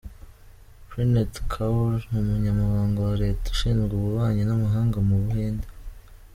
Preenet Kaur, Umunyamabanga wa Leta ushinzwe Ububanyi n’Amahanga mu Buhinde.